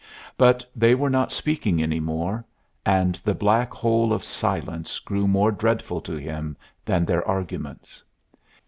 But they were not speaking any more, and the black hole of silence grew more dreadful to him than their arguments.